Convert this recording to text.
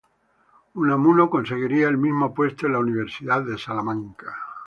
Unamuno conseguiría el mismo puesto en la Universidad de Salamanca.